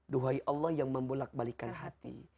duhai allah yang membulak balikan hati